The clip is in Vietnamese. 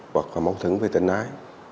hoặc là mâu thửng về tình ái